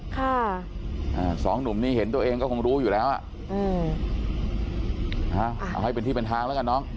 ค่ะอ่าสองหนุ่มนี่เห็นตัวเองก็คงรู้อยู่แล้วอ่ะอืมเอาให้เป็นที่เป็นทางแล้วกันน้อง